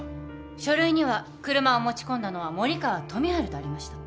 書類には車を持ち込んだのは森川富治とありました。